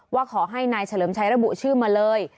ว่าขอให้นายเฉลิมชัยระบุชื่อมาเลย